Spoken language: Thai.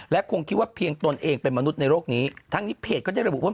คงคิดว่าเพียงตนเองเป็นมนุษย์ในโลกนี้ทั้งนี้เพจก็ได้ระบุว่า